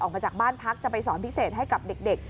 ออกมาจากบ้านพักจะไปสอนพิเศษให้กับเด็ก